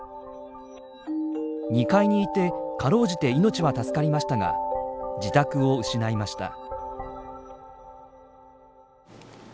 ２階にいてかろうじて命は助かりましたが自宅を失いました。